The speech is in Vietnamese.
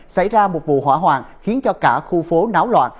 xảy ra một vụ hỏa hoạn khiến cho cả khu phố náo loạn